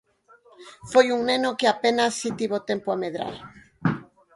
Foi un neno que apenas si tivo tempo a medrar.